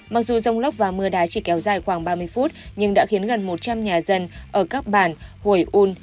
mặc dù rông lốc và mưa đá chỉ kéo dài khoảng ba mươi phút nhưng đã khiến gần một trăm linh nhà dân ở các bản hủy un